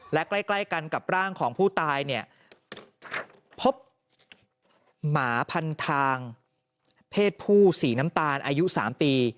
และใกล้กันกับร่างของผู้ตายเนี่ยพบหมาพันทางเพศผู้สีน้ำตาลอายุ๓ปี